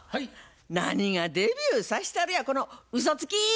何がデビューさしたるやこのうそつき！